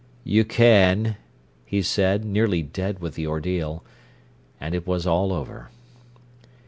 "You can," he said, nearly dead with the ordeal. And it was all over.